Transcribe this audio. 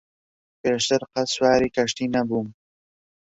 پێشتر قەت سواری کەشتی نەبووم.